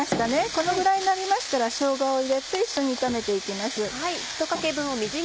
このぐらいになりましたらしょうがを入れて一緒に炒めて行きます。